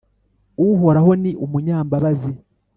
Uhoraho ni umunyambabazi